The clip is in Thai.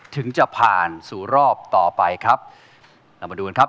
ถึงจะผ่านสู่รอบต่อไปครับเรามาดูกันครับ